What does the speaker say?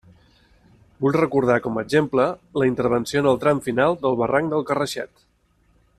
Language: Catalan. Vull recordar com a exemple la intervenció en el tram final del Barranc del Carraixet.